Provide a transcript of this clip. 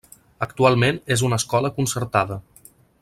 Actualment és una escola concertada.